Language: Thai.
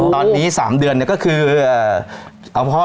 ตอนนี้๓เดือนก็คือ